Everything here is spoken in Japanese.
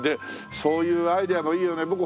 そういうアイデアもいいよね。